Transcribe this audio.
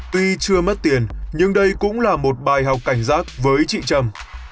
tuy chưa mất tiền nhưng đây cũng là một bài học cảnh giác với chị trâm